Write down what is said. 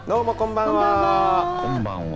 こんばんは。